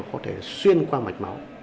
nó có thể xuyên qua mạch máu